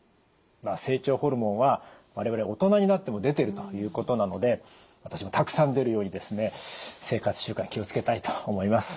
成長ホルモンは我々大人になっても出てるということなので私もたくさん出るように生活習慣気を付けたいと思います。